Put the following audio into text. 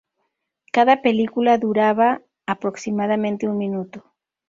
Cada película duraba aproximadamente un minuto.